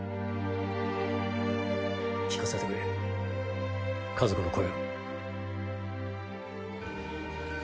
聞かせてくれ家族の声を。